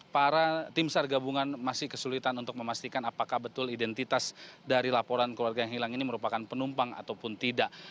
para tim sar gabungan masih kesulitan untuk memastikan apakah betul identitas dari laporan keluarga yang hilang ini merupakan penumpang ataupun tidak